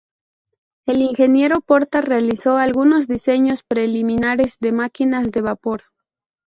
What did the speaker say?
El ingeniero Porta realizó algunos diseños preliminares de máquinas de vapor.